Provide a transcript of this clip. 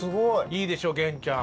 いいでしょ源ちゃん。